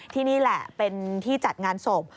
ที่นี่แหละเป็นที่จัดงานศพ